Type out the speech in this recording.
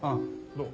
どう？